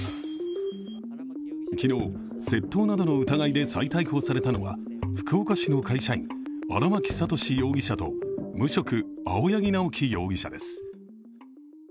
昨日、窃盗などの疑いで再逮捕されたのは福岡市の会社員、荒巻悟志容疑者と無職、青柳直樹容疑者です。